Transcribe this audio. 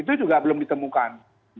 itu juga belum ditemukan